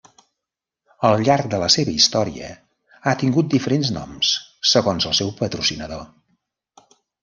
Al llarg de la seva història ha tingut diferents noms, segons el seu patrocinador.